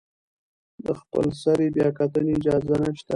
د خپلسرې بیاکتنې اجازه نشته.